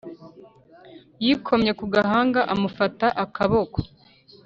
yikomye ku gahanga amufata akaboko